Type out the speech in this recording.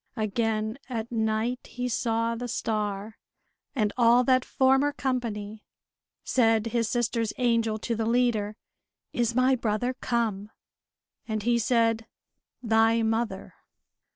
Again at night he saw the star, and all that former company. Said his sister's angel to the leader: "Is my brother come?" And he said, "Thy mother!"